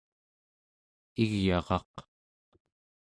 igyaraq